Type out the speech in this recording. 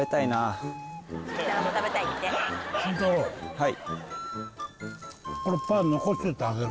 はい。